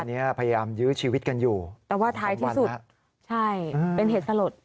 อันนี้พยายามยื้อชีวิตกันอยู่แต่ว่าท้ายที่สุดใช่เป็นเหตุสลด